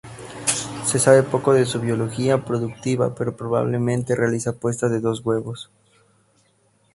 Se sabe poco de su biología reproductiva, pero probablemente realiza puestas de dos huevos.